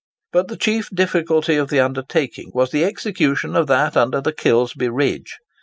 But the chief difficulty of the undertaking was the execution of that under the Kilsby ridge.